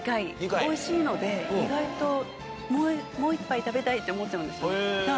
おいしいので、意外と、もう１杯食べたいって思っちゃうんですよね。